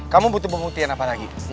kamu butuh pembuktian apa lagi